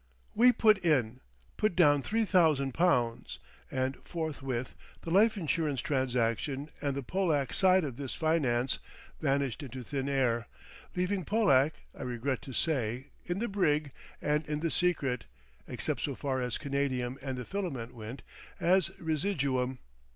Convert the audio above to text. We put in, put down three thousand pounds, and forthwith the life insurance transaction and the Pollack side of this finance vanished into thin air, leaving Pollack, I regret to say, in the brig and in the secret—except so far as canadium and the filament went—as residuum.